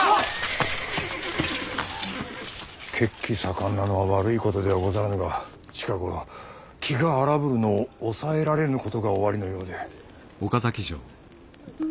血気盛んなのは悪いことではござらぬが近頃気が荒ぶるのを抑えられぬことがおありのようで。